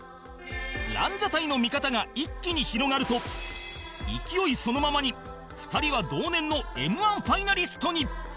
ランジャタイの見方が一気に広がると勢いそのままに２人は同年の Ｍ−１ ファイナリストに